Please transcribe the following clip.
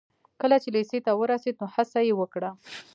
کله چې لېسې ته ورسېد نو هڅه يې وکړه.